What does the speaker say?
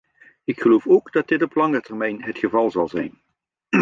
Ik geloof ook dat dit op lange termijn het geval zal zijn.